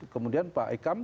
kemudian pak ikam